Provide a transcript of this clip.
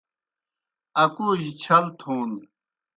اکوجیْ چھل تھون